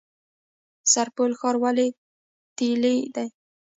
سرپل ښار ولې تیلي دی؟